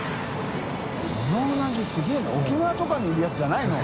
海うなぎすげぇな沖縄とかにいるやつじゃないの？